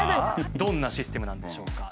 どんなシステムなんでしょうか。